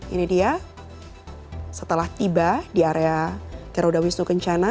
ini dia setelah tiba di area garuda wisnu kencana